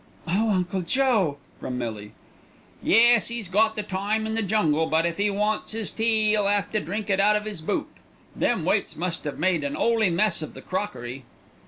"Oh, Uncle Joe!" from Millie. "Yes, 'e's got the time in the jungle, but if 'e wants 'is tea 'e'll 'ave to drink it out of 'is boot. Them weights must 'ave made an 'oly mess of the crockery!"